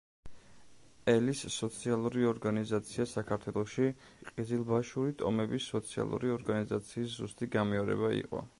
ელის სოციალური ორგანიზაცია საქართველოში ყიზილბაშური ტომების სოციალური ორგანიზაციის ზუსტი გამეორება იყო.